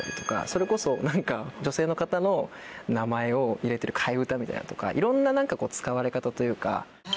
それこそ女性の方の名前を入れてる替え歌みたいなのとかいろんな使われ方というか。